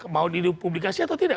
mau di publikasi atau tidak